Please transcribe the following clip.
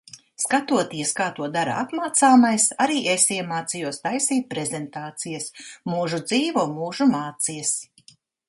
Skatoties, kā to dara apmācāmais, arī es iemācījos taisīt prezentācijas. Mūžu dzīvo, mūžu mācies.